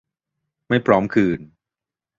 ไม่พร้อมคืน